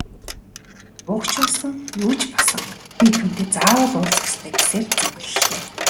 Буг ч болсон, юу ч болсон би түүнтэй заавал уулзах ёстой гэсээр зүглэлээ.